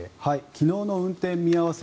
昨日の運転見合わせ